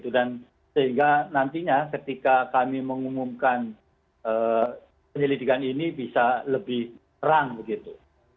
dan sehingga nantinya ketika kami mengumumkan penyelidikan ini bisa lebih rang begitu